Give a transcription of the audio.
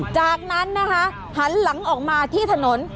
จากนั้นนะคะหันหลังออกมาที่ถนน